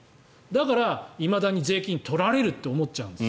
だからいまだに税金を取られるって思っちゃうんです。